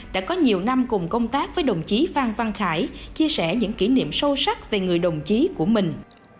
đã có nhiều năm cùng công tác với đồng chí phan văn khải chia sẻ những kỷ niệm sâu sắc về người đồng chí của mình